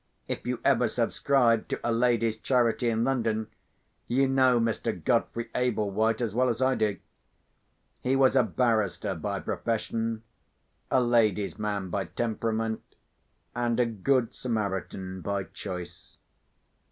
If you ever subscribed to a Ladies' Charity in London, you know Mr. Godfrey Ablewhite as well as I do. He was a barrister by profession; a ladies' man by temperament; and a good Samaritan by choice.